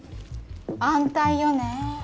安泰よねえ